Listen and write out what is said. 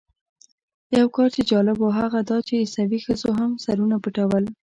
یو کار چې جالب و هغه دا چې عیسوي ښځو هم سرونه پټول.